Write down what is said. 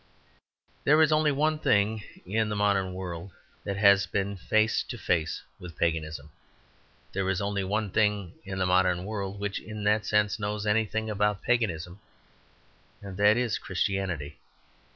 There is only one thing in the modern world that has been face to face with Paganism; there is only one thing in the modern world which in that sense knows anything about Paganism: and that is Christianity.